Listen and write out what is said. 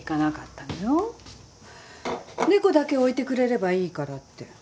猫だけ置いてくれればいいからって。